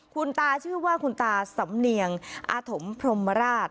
คุณตาชื่อว่าคุณตาสำเนียงอาถมพรมราช